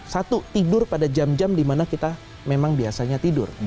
satu tidur pada jam jam di mana kita memang biasanya tidur